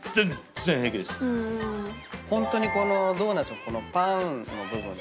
ホントにドーナツのパンの部分。